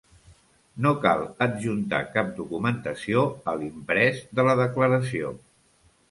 No cal adjuntar cap documentació a l'imprès de la declaració.